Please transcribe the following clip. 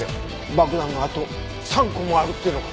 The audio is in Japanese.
爆弾があと３個もあるっていうのか？